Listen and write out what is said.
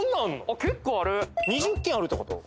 結構ある２０軒あるってこと？